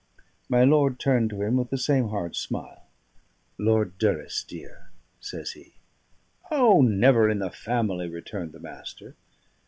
My lord turned to him with the same hard smile. "Lord Durrisdeer," says he. "O! never in the family," returned the Master.